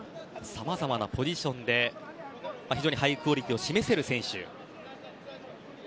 さまざまなポジションで非常にハイクオリティーを示せる選手です。